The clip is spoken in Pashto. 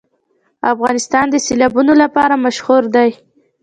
افغانستان د سیلابونه لپاره مشهور دی.